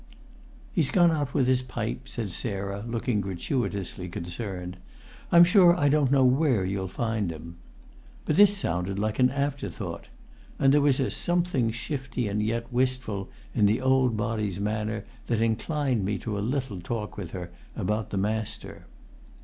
"He's gone out with his pipe," said Sarah, looking gratuitously concerned. "I'm sure I don't know where you'll find him." But this sounded like an afterthought; and there was a something shifty and yet wistful in the old body's manner that inclined me to a little talk with her about the master.